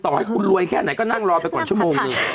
ให้คุณรวยแค่ไหนก็นั่งรอไปก่อนชั่วโมงหนึ่ง